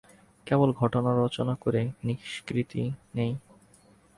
কেবল ঘটনা রচনা করে নিষ্কৃতি নেই?